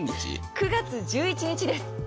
９月１１日です。